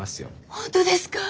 本当ですか！？